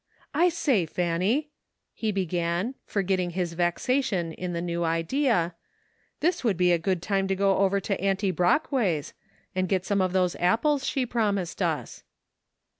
" I say, Fanny," he began, forgetting his vexation in the new idea, *' this would be a good time to go over to Auntie Brockway's and get some of those apples she promised us."